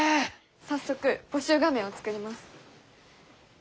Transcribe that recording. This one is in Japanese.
早速募集画面を作ります。